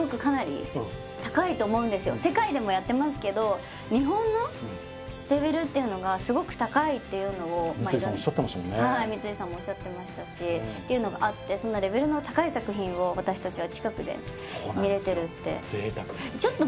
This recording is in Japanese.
世界でもやってますけど日本のレベルっていうのがすごく高いっていうのを三井さんおっしゃってました三井さんもおっしゃってましたしっていうのがあってそんなレベルの高い作品を私たちは近くで見れてるってそうなんですよ